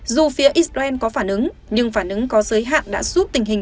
dù phía israel có phản ứng nhưng phản ứng có giới hạn đã giúp tình hình